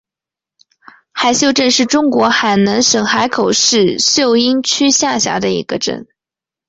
海秀镇是中国海南省海口市秀英区下辖的一个镇。